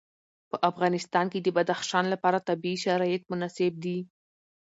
په افغانستان کې د بدخشان لپاره طبیعي شرایط مناسب دي.